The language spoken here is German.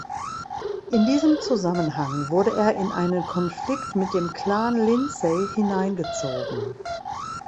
In diesem Zusammenhang wurde er in einen Konflikt mit dem Clan Lindsay hineingezogen.